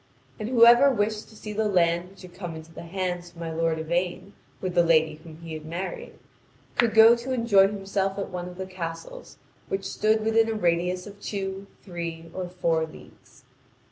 And whoever wished to see the land which had come into the hands of my lord Yvain with the lady whom he had married, could go to enjoy himself at one of the castles which stood within a radius of two, three, or four leagues.